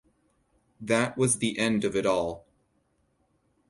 That was the end of it all.